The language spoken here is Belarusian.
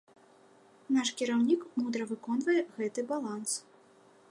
Наш кіраўнік мудра выконвае гэты баланс.